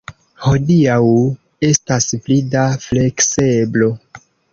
Hodiaŭ estas pli da flekseblo.